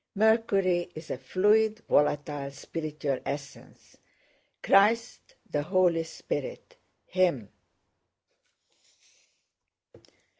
Mercury is a fluid, volatile, spiritual essence. Christ, the Holy Spirit, Him!...